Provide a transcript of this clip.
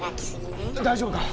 大丈夫か⁉